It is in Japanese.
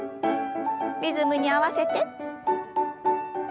リズムに合わせて。